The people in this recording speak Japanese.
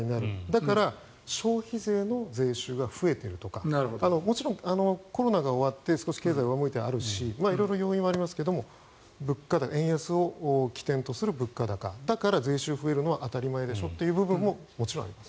だから消費税の税収は増えているとかもちろんコロナが終わって少し経済は上向いているし色々要因はありますが円安を起点とする物価高だから、税収が増えるのは当たり前でしょという部分ももちろんあります。